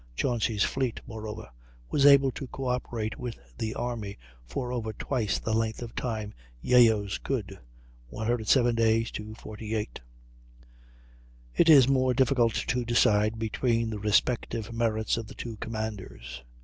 Chauncy's fleet, moreover, was able to co operate with the army for over twice the length of time Yeo's could (107 days to 48). It is more difficult to decide between the respective merits of the two commanders.